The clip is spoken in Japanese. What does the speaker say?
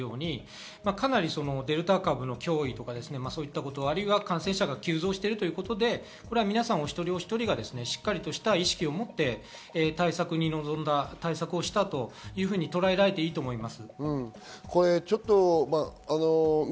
デルタ株の脅威とかそういうことを感染者が急増していることで皆さん一人一人がしっかりした意識を持って対策に臨んだというふうにとらえられていいと思います。